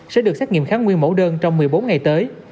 sẽ được xét nghiệm kháng nguyên mẫu đơn trong một mươi bốn ngày tới